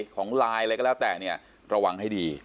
ของไลน์อะไรก็แล้วแต่เนี่ยระวังให้ดี